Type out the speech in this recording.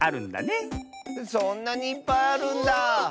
そんなにいっぱいあるんだ。